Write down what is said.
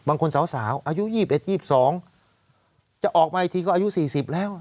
สาวอายุ๒๑๒๒จะออกมาอีกทีก็อายุ๔๐แล้ว